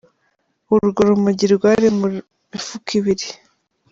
Urwo rumogi rwari muri mifuka ibiri.